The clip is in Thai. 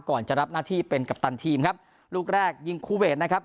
ก่อนจะรับหน้าที่เป็นกัปตันทีมครับลูกแรกยิงคูเวทนะครับ